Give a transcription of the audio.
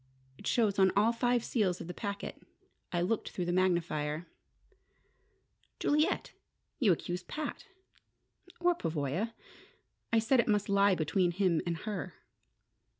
It shows on all five seals of the packet. I looked through the magnifier." "Juliet! You accuse Pat " "Or Pavoya. I said it must lie between him and her."